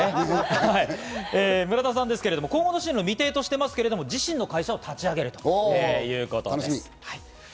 村田さんですけれども、今後の進路は未定としてますけれども、自身の会社を立ち上げるということです。